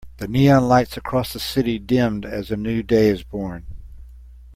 The neon lights across the city dimmed as a new day is born.